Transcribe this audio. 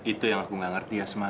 itu yang aku gak ngerti ya